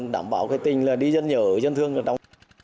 đảm bảo cái tình là đi dân nhở dân thương